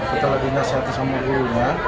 ketika dikasih hati sama gurunya